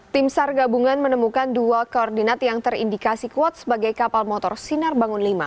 tim sar gabungan menemukan dua koordinat yang terindikasi kuat sebagai kapal motor sinar bangun v